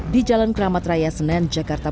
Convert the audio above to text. di jalan keramat raya senen jakarta